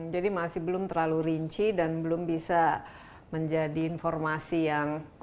jadi masih belum terlalu rinci dan belum bisa menjadi informasi yang